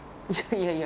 いやいや。